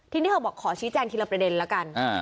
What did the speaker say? ทีนี้เธอบอกขอชี้แจงทีละประเด็นแล้วกัน